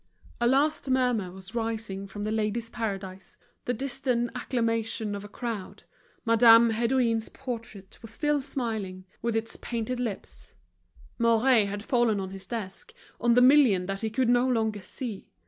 A last murmur was rising from The Ladies' Paradise, the distant acclamation of a crowd. Madame Hédouin's portrait was still smiling, with its painted lips; Mouret had fallen on his desk, on the million that he could no longer see.